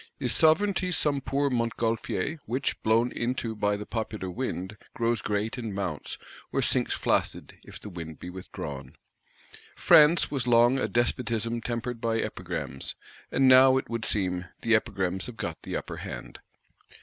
Is Sovereignty some poor Montgolfier; which, blown into by the popular wind, grows great and mounts; or sinks flaccid, if the wind be withdrawn? France was long a "Despotism tempered by Epigrams;" and now, it would seem, the Epigrams have get the upper hand.